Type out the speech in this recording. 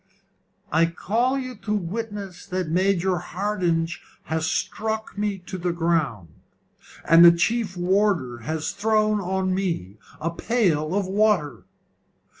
"I call you to witness that Major Hardinge has struck me to the ground, and the chief warder has thrown on me a pail of water.